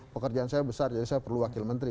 pekerjaan saya besar jadi saya perlu wakil menteri